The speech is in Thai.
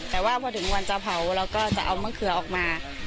แต่ว่าพอถึงวันจะเผาเราก็จะเอามะเขือออกมา